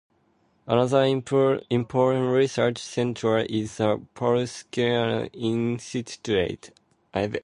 Another important research centre is the Paul Scherrer Institute.